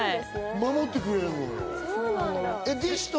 守ってくれるのよ。